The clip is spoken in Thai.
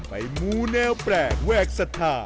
มูแนวแปลกแวกศรัทธา